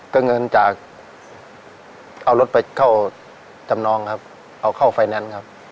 ก็เงินจากเอารถไปเข้าจำนองครับเอาเข้าไฟแนนซ์ครับ